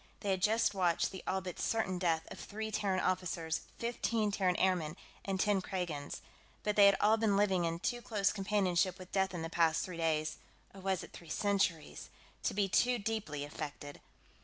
They had just watched the all but certain death of three Terran officers, fifteen Terran airmen, and ten Kragans, but they had all been living in too close companionship with death in the past three days or was it three centuries to be too deeply affected.